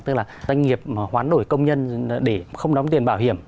tức là doanh nghiệp hoán đổi công nhân để không đóng tiền bảo hiểm